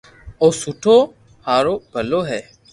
او سبو ھارو ڀلو ھي